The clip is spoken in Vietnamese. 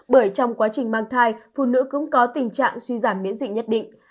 bởi trong quá trình mang thai phụ nữ cũng có tình trạng suy giảm miễn dịch nhất định